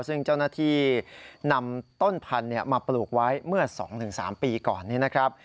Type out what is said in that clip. ซึ่งเจ้าหน้าที่นำต้นพันธุ์มาปลูกไว้เมื่อ๒๓ปีก่อนนี้นะครับ